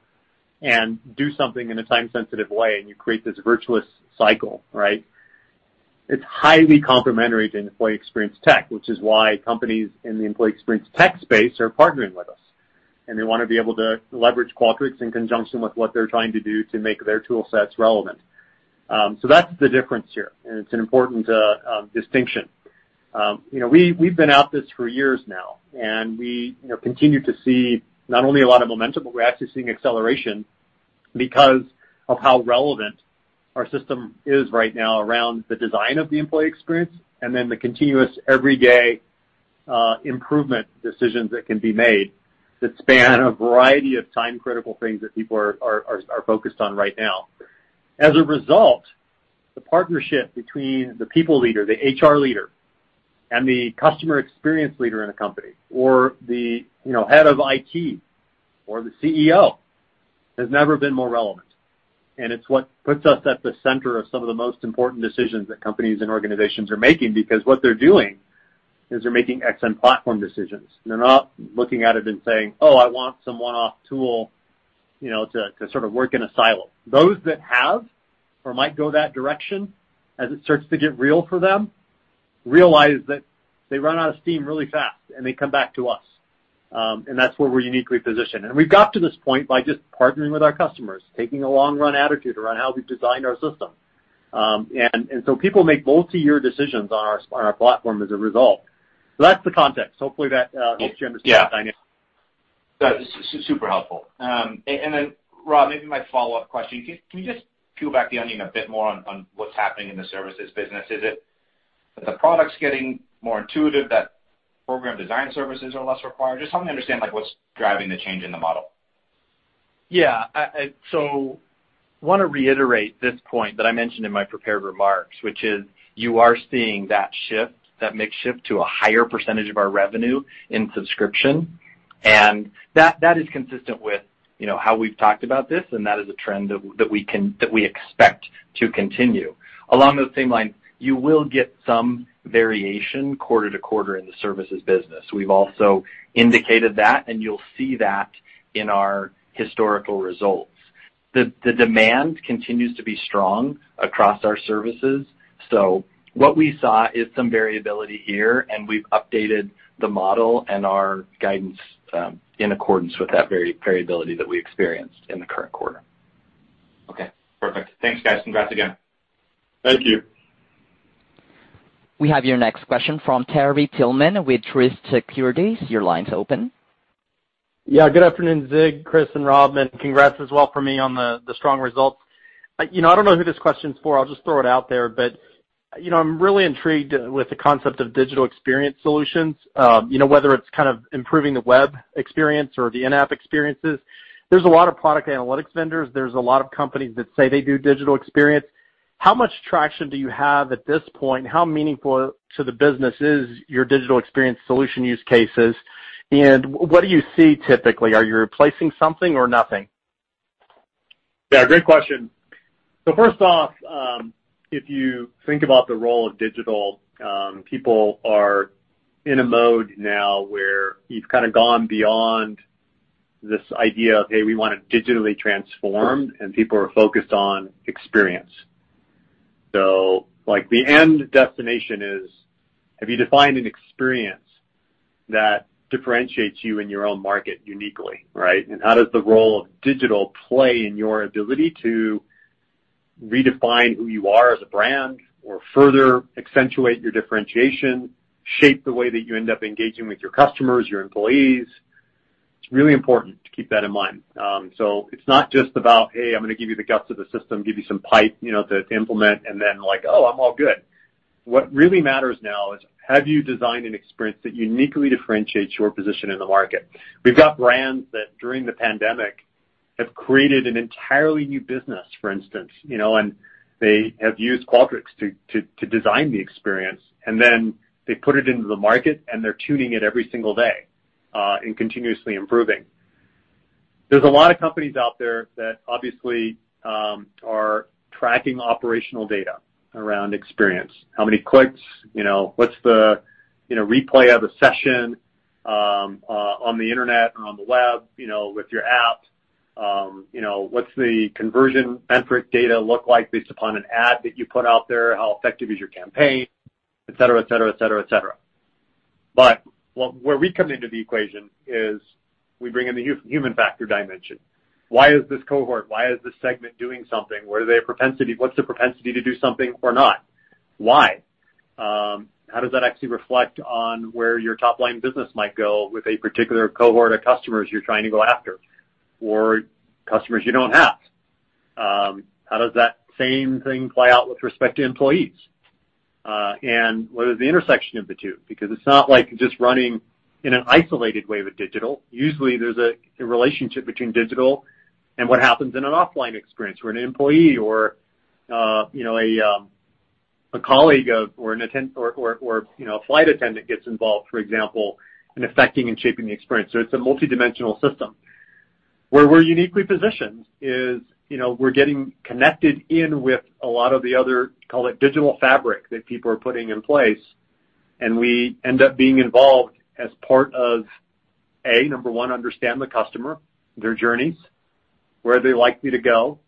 and do something in a time-sensitive way, and you create this virtuous cycle, right? It's highly complementary to employee experience tech, which is why companies in the employee experience tech space are partnering with us. They want to be able to leverage Qualtrics in conjunction with what they're trying to do to make their tool sets relevant. That's the difference here. It's an important distinction. We've been at this for years now, and we continue to see not only a lot of momentum, but we're actually seeing acceleration because of how relevant our system is right now around the design of the employee experience and then the continuous, everyday improvement decisions that can be made that span a variety of time-critical things that people are focused on right now. As a result, the partnership between the people leader, the HR leader, and the customer experience leader in a company, or the head of IT, or the CEO, has never been more relevant. It's what puts us at the center of some of the most important decisions that companies and organizations are making because what they're doing is they're making XM platform decisions. They're not looking at it and saying, "Oh, I want some one-off tool to sort of work in a silo." Those that have or might go that direction as it starts to get real for them, realize that they run out of steam really fast, and they come back to us. That's where we're uniquely positioned. We've got to this point by just partnering with our customers, taking a long-run attitude around how we've designed our system. People make multi-year decisions on our platform as a result. That's the context. Hopefully, that helps you understand the dynamics. Yeah. Super helpful. Rob, maybe my follow-up question, can you just peel back the onion a bit more on what's happening in the services business? Is it that the product's getting more intuitive, that program design services are less required? Just help me understand what's driving the change in the model. Yeah. I want to reiterate this point that I mentioned in my prepared remarks, which is you are seeing that shift, that mix shift to a higher percentage of our revenue in subscription. That is consistent with, you know, how we've talked about this, and that is a trend that we expect to continue. Along those same lines, you will get some variation quarter to quarter in the services business. We've also indicated that, and you'll see that in our historical results. The demand continues to be strong across our services. What we saw is some variability here, and we've updated the model and our guidance in accordance with that variability that we experienced in the current quarter. Okay, perfect. Thanks, guys. Congrats again. Thank you. We have your next question from Terry Tillman with Truist Securities. Your line's open. Yeah, good afternoon, Zig, Chris, and Rob, and congrats as well from me on the strong results. I don't know who this question's for. I'll just throw it out there. I'm really intrigued with the concept of digital experience solutions, whether it's kind of improving the web experience or the in-app experiences. There's a lot of product analytics vendors. There's a lot of companies that say they do digital experience. How much traction do you have at this point? How meaningful to the business is your digital experience solution use cases? What do you see typically? Are you replacing something or nothing? Yeah, great question. First off, if you think about the role of digital, people are in a mode now where you've kind of gone beyond this idea of, "Hey, we want to digitally transform," and people are focused on experience. The end destination is, have you defined an experience that differentiates you in your own market uniquely, right? How does the role of digital play in your ability to redefine who you are as a brand or further accentuate your differentiation, shape the way that you end up engaging with your customers, your employees? It's really important to keep that in mind. It's not just about, "Hey, I'm going to give you the guts of the system, give you some pipe to implement," and then, "Oh, I'm all good." What really matters now is have you designed an experience that uniquely differentiates your position in the market? We've got brands that during the pandemic have created an entirely new business, for instance, and they have used Qualtrics to design the experience, and then they put it into the market, and they're tuning it every single day, and continuously improving. There's a lot of companies out there that obviously are tracking operational data around experience. How many clicks? What's the replay of a session on the Internet or on the web with your app? What's the conversion benefit data look like based upon an ad that you put out there? How effective is your campaign? Et cetera. Where we come into the equation is we bring in the human factor dimension. Why is this cohort, why is this segment doing something? What's the propensity to do something or not? Why? How does that actually reflect on where your top-line business might go with a particular cohort of customers you're trying to go after, or customers you don't have? How does that same thing play out with respect to employees? What is the intersection of the two? Because it's not like just running in an isolated way with digital. Usually, there's a relationship between digital and what happens in an offline experience where an employee or a colleague or a flight attendant gets involved, for example, in affecting and shaping the experience. It's a multidimensional system. Where we're uniquely positioned is, we're getting connected in with a lot of the other, call it digital fabric, that people are putting in place, and we end up being involved as part of A, number one, understand the customer, their journeys, where are they likely to go,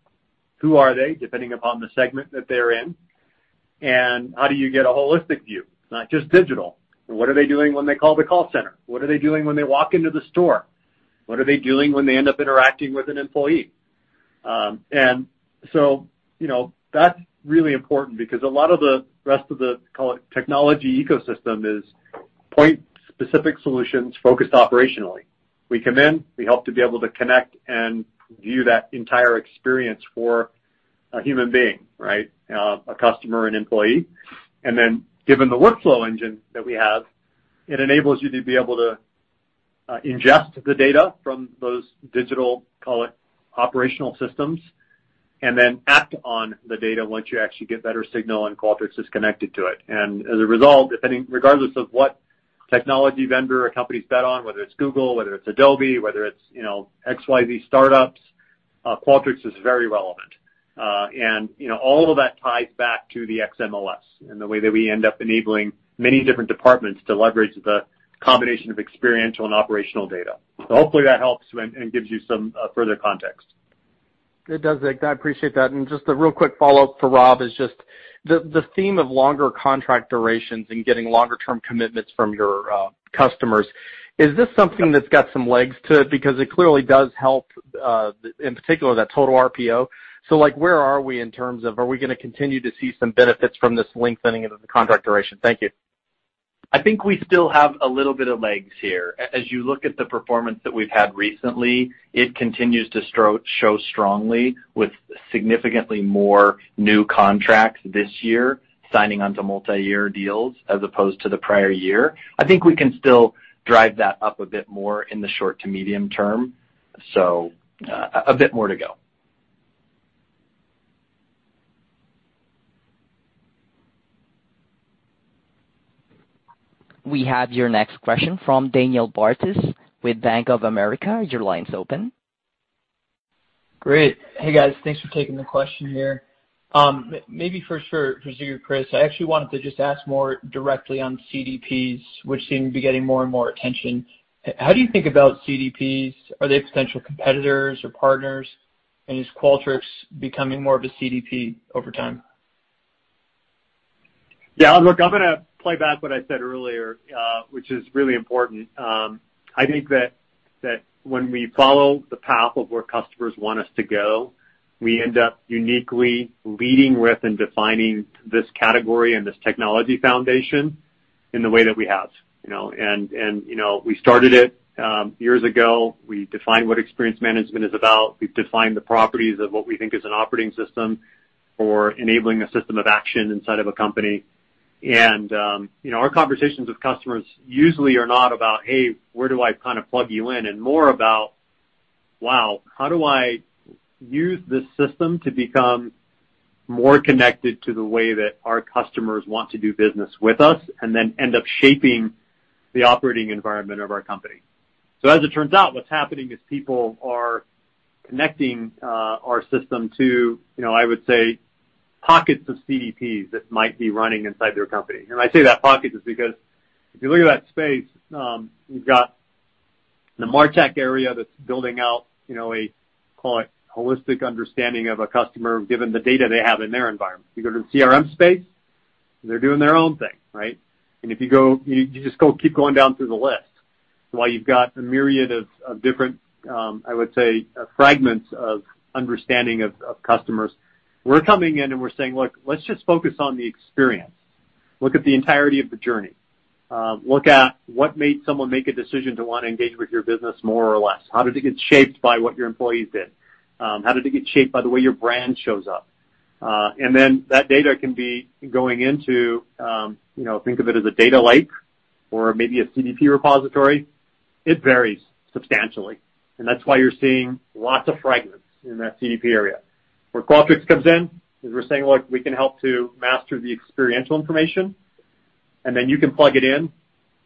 who are they, depending upon the segment that they're in, and how do you get a holistic view, not just digital. What are they doing when they call the call center? What are they doing when they walk into the store? What are they doing when they end up interacting with an employee? That's really important because a lot of the rest of the, call it technology ecosystem is point-specific solutions focused operationally. We come in, we help to be able to connect and view that entire experience for a human being, a customer, an employee. Given the workflow engine that we have, it enables you to be able to ingest the data from those digital, call it operational systems, then act on the data once you actually get better signal and Qualtrics is connected to it. As a result, regardless of what technology vendor a company's bet on, whether it's Google, whether it's Adobe, whether it's XYZ startups, Qualtrics is very relevant. All of that ties back to the XM/OS and the way that we end up enabling many different departments to leverage the combination of experiential and operational data. Hopefully that helps and gives you some further context. It does, Zig. I appreciate that. Just a real quick follow-up for Rob is just the theme of longer contract durations and getting longer-term commitments from your customers. Is this something that's got some legs to it? Because it clearly does help, in particular, that total RPO. Where are we in terms of, are we going to continue to see some benefits from this lengthening of the contract duration? Thank you. I think we still have a little bit of legs here. As you look at the performance that we've had recently, it continues to show strongly with significantly more new contracts this year, signing onto multi-year deals as opposed to the prior year. I think we can still drive that up a bit more in the short to medium term. A bit more to go. We have your next question from Daniel Bartus with Bank of America. Your line is open. Great. Hey, guys, thanks for taking the question here. Maybe for Zig or Chris, I actually wanted to just ask more directly on CDPs, which seem to be getting more and more attention. How do you think about CDPs? Are they potential competitors or partners? Is Qualtrics becoming more of a CDP over time? Yeah, look, I'm going to play back what I said earlier, which is really important. I think that when we follow the path of where customers want us to go, we end up uniquely leading with and defining this category and this technology foundation in the way that we have. We started it years ago. We defined what Experience Management is about. We've defined the properties of what we think is an operating system for enabling a system of action inside of a company. Our conversations with customers usually are not about, "Hey, where do I kind of plug you in?" More about, "Wow, how do I use this system to become more connected to the way that our customers want to do business with us, and then end up shaping the operating environment of our company?" As it turns out, what's happening is people are connecting our system to, I would say, pockets of CDPs that might be running inside their company. I say that pockets is because if you look at that space, you've got the MarTech area that's building out a, call it holistic understanding of a customer, given the data they have in their environment. You go to the CRM space, they're doing their own thing, right? You just go keep going down through the list. While you've got a myriad of different, I would say, fragments of understanding of customers, we're coming in and we're saying, "Look, let's just focus on the experience. Look at the entirety of the journey. Look at what made someone make a decision to want to engage with your business more or less. How did it get shaped by what your employees did? How did it get shaped by the way your brand shows up?" That data can be going into, think of it as a data lake or maybe a CDP repository. It varies substantially. That's why you're seeing lots of fragments in that CDP area. Where Qualtrics comes in is we're saying, "Look, we can help to master the experiential information, and then you can plug it in,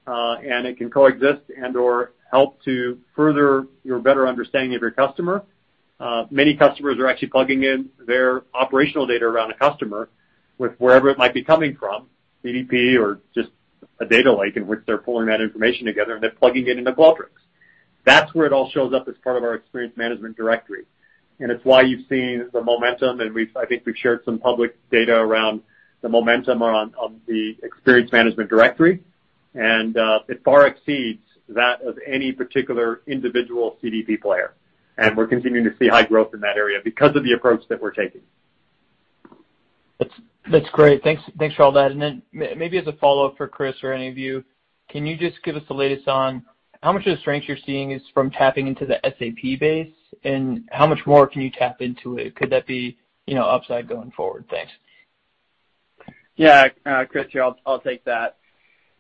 and it can coexist and/or help to further your better understanding of your customer." Many customers are actually plugging in their operational data around a customer with wherever it might be coming from, CDP or just a data lake in which they're pulling that information together, and they're plugging it into Qualtrics. That's where it all shows up as part of our Experience Management Directory. It's why you've seen the momentum, and I think we've shared some public data around the momentum on the Experience Management Directory, and it far exceeds that of any particular individual CDP player. We're continuing to see high growth in that area because of the approach that we're taking. That's great. Thanks for all that. Maybe as a follow-up for Chris or any of you, can you just give us the latest on how much of the strength you're seeing is from tapping into the SAP base, and how much more can you tap into it? Could that be upside going forward? Thanks. Yeah. Chris here. I'll take that.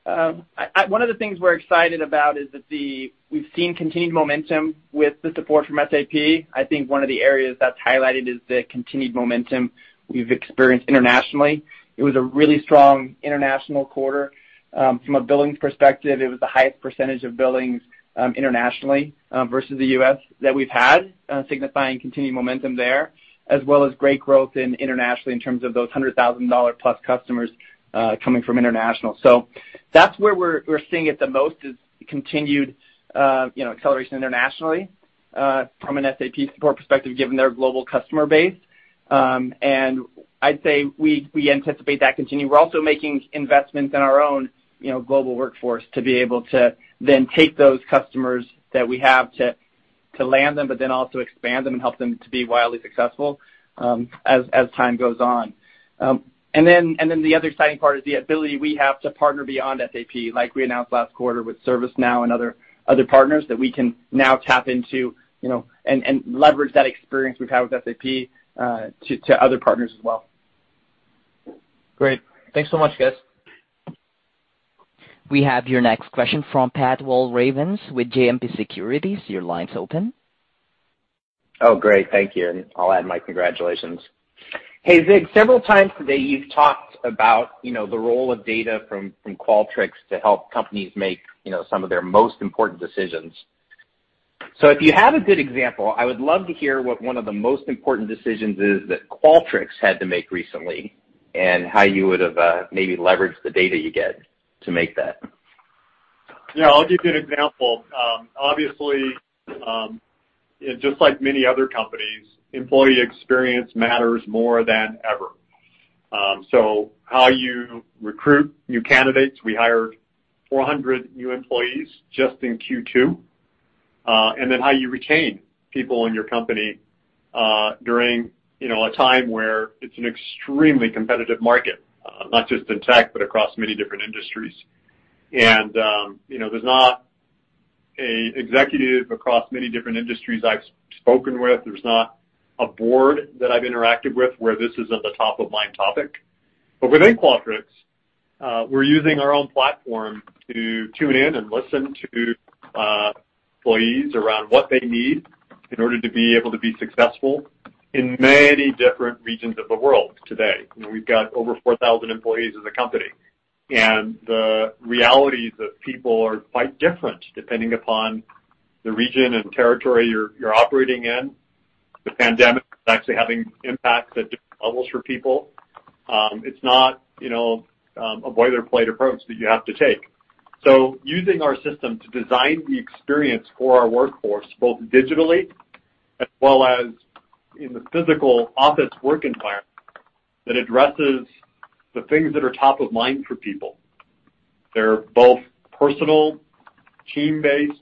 One of the things we're excited about is that we've seen continued momentum with the support from SAP. I think one of the areas that's highlighted is the continued momentum we've experienced internationally. It was a really strong international quarter. From a billings perspective, it was the highest percentage of billings internationally versus the U.S. that we've had, signifying continued momentum there, as well as great growth internationally in terms of those $100,000-plus customers coming from international. That's where we're seeing it the most, is continued acceleration internationally, from an SAP support perspective, given their global customer base. I'd say we anticipate that continuing. We're also making investments in our own global workforce to be able to then take those customers that we have to land them, but then also expand them and help them to be wildly successful as time goes on. The other exciting part is the ability we have to partner beyond SAP, like we announced last quarter with ServiceNow and other partners that we can now tap into, and leverage that experience we've had with SAP to other partners as well. Great. Thanks so much, guys. We have your next question from Pat Walravens with JMP Securities. Your line's open. Oh, great. Thank you, and I'll add my congratulations. Hey, Zig, several times today you've talked about the role of data from Qualtrics to help companies make some of their most important decisions. If you have a good example, I would love to hear what one of the most important decisions is that Qualtrics had to make recently, and how you would've maybe leveraged the data you get to make that. Yeah, I'll give you an example. Obviously, just like many other companies, employee experience matters more than ever. How you recruit new candidates, we hired 400 new employees just in Q2, and then how you retain people in your company, during a time where it's an extremely competitive market, not just in tech, but across many different industries. There's not an executive across many different industries I've spoken with, there's not a board that I've interacted with where this isn't a top-of-mind topic. Within Qualtrics, we're using our own platform to tune in and listen to employees around what they need in order to be able to be successful in many different regions of the world today. We've got over 4,000 employees as a company, and the realities of people are quite different depending upon the region and territory you're operating in. The pandemic is actually having impacts at different levels for people. It's not a boilerplate approach that you have to take. Using our system to design the experience for our workforce, both digitally as well as in the physical office work environment, that addresses the things that are top of mind for people. They're both personal, team-based,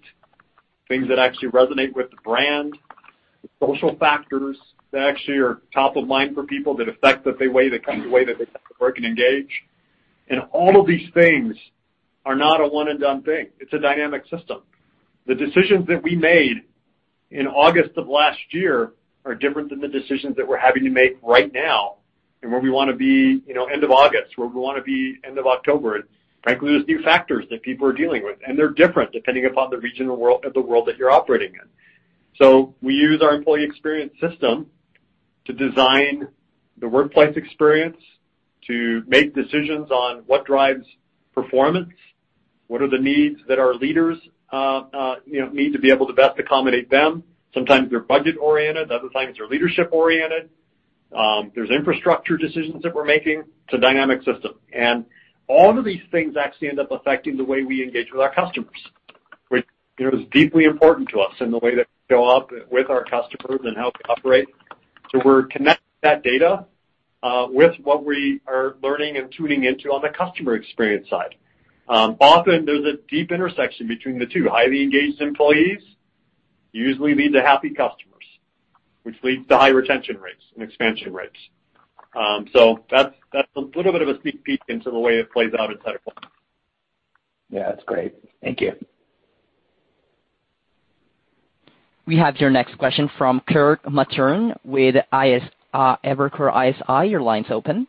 things that actually resonate with the brand, social factors that actually are top of mind for people that affect the way they work and engage. All of these things are not a one-and-done thing. It's a dynamic system. The decisions that we made in August of last year are different than the decisions that we're having to make right now, and where we want to be end of August, where we want to be end of October. Frankly, there's new factors that people are dealing with, and they're different depending upon the region of the world that you're operating in. We use our employee experience system to design the workplace experience, to make decisions on what drives performance, what are the needs that our leaders need to be able to best accommodate them. Sometimes they're budget-oriented, other times they're leadership-oriented. There's infrastructure decisions that we're making. It's a dynamic system. All of these things actually end up affecting the way we engage with our customers, which is deeply important to us in the way that we show up with our customers and how we operate. We're connecting that data with what we are learning and tuning into on the customer experience side. Often there's a deep intersection between the two. Highly engaged employees usually lead to happy customers, which leads to high retention rates and expansion rates. That's a little bit of a sneak peek into the way it plays out inside of [Qualtrics]. Yeah, that's great. Thank you. We have your next question from Kirk Materne with Evercore ISI. Your line's open.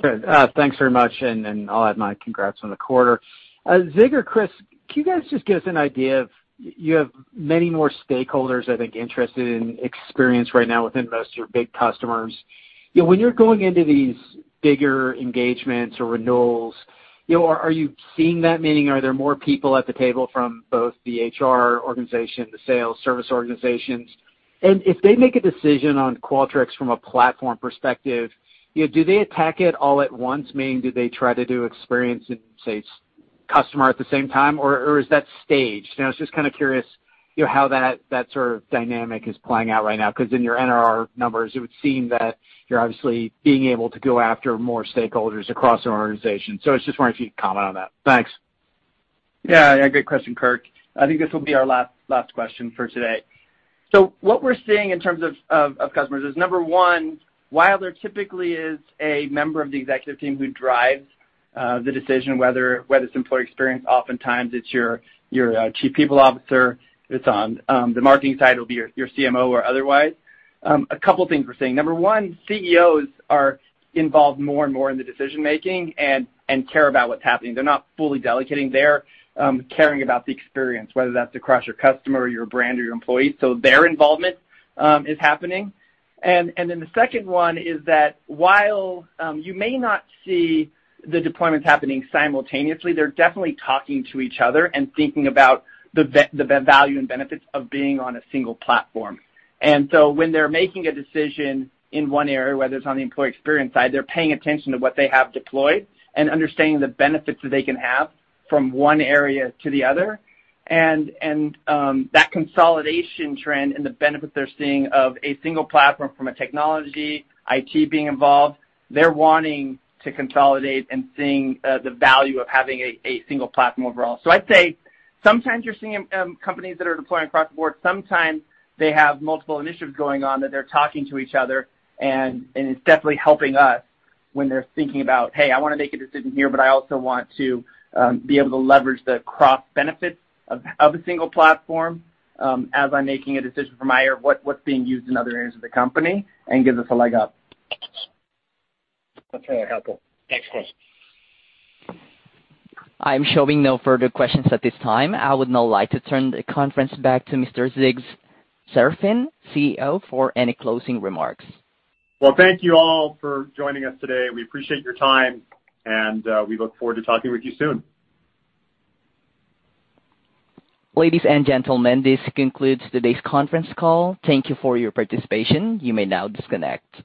Good. Thanks very much, and then I'll add my congrats on the quarter. Zig or Chris, can you guys just give us an idea of, you have many more stakeholders, I think, interested in experience right now within most of your big customers. When you're going into these bigger engagements or renewals, are you seeing that? Meaning, are there more people at the table from both the HR organization, the sales, service organizations? If they make a decision on Qualtrics from a platform perspective, do they attack it all at once? Meaning, do they try to do experience and, say, customer at the same time, or is that staged? I was just curious how that sort of dynamic is playing out right now, because in your NRR numbers, it would seem that you're obviously being able to go after more stakeholders across an organization. I just wonder if you could comment on that. Thanks. Yeah. Great question, Kirk. I think this will be our last question for today. What we're seeing in terms of customers is, number one, while there typically is a member of the executive team who drives the decision, whether it's employee experience, oftentimes it's your Chief People Officer, if it's on the marketing side, it'll be your CMO or otherwise. A couple things we're seeing. Number one, CEOs are involved more and more in the decision-making and care about what's happening. They're not fully [delegating] there, caring about the experience, whether that's across your customer or your brand or your employees. Their involvement is happening. Then, the second one is that while you may not see the deployments happening simultaneously, they're definitely talking to each other and thinking about the value and benefits of being on a single platform. When they're making a decision in one area, whether it's on the employee experience side, they're paying attention to what they have deployed and understanding the benefits that they can have from one area to the other. That consolidation trend and the benefits they're seeing of a single platform from a technology, IT being involved, they're wanting to consolidate and seeing the value of having a single platform overall. I'd say sometimes you're seeing companies that are deploying across the board. Sometimes they have multiple initiatives going on that they're talking to each other, and it's definitely helping us when they're thinking about, "Hey, I want to make a decision here, but I also want to be able to leverage that cross benefits of a single platform as I'm making a decision from [HR], what's being used in other areas of the company," and gives us a leg up. That's very helpful. Thanks, Chris. I'm showing no further questions at this time. I would now like to turn the conference back to Mr. Zig Serafin, CEO, for any closing remarks. Well, thank you all for joining us today. We appreciate your time, and we look forward to talking with you soon. Ladies and gentlemen, this concludes today's conference call. Thank you for your participation. You may now disconnect.